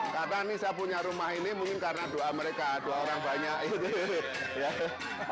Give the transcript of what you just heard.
karena ini saya punya rumah ini mungkin karena doa mereka doa orang banyak